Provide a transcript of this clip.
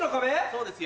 そうですよ。